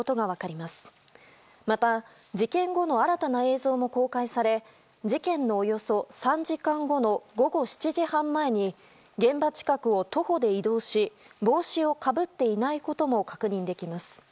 また、事件後の新たな映像も公開され事件のおよそ３時間後の午後７時半前に現場近くを徒歩で移動し帽子をかぶっていないことも確認できます。